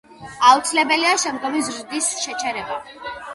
აუცილებელია შემდგომი ზრდის შეჩერება.